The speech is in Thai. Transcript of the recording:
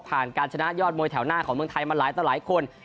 ผ่านการชนะยอดมวยแถวหน้าของเมืองไทยมาหลายคน